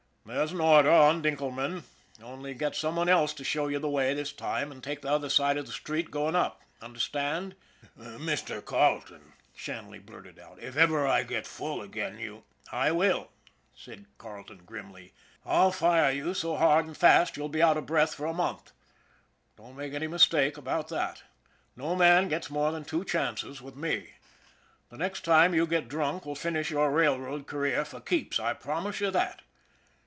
:t There's an order on Dinkelman, only get some one else to show you the way this time, and take the other side of the street going up. Under stand?" " Mr. Carleton/' Shanley blurted out, " if ever I get full again, you "" I will !" said Carleton grimly. " I'll fire you so hard and fast you'll be out of breath for a month. Don't make any mistake about that. No man gets more than two chances with me. The next time you get drunk will finish your railroad career for keeps, I promise you that."